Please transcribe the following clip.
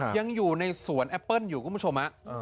ยังอยู่ในสวนแอปเปิ้ลอยู่คุณผู้ชม